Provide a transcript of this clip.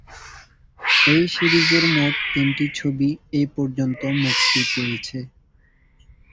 এই সিরিজের মোট তিনটি ছবি এ পর্যন্ত মুক্তি পেয়েছে।